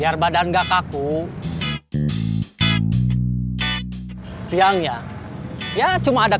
saya pribadi dengan uang yang banyak nya akribatan yang nau gehabt